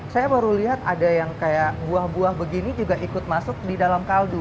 saya baru lihat ada yang kayak buah buah begini juga ikut masuk di dalam kaldu